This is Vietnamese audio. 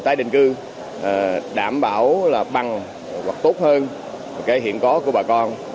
tái định cư đảm bảo là bằng hoặc tốt hơn cái hiện có của bà con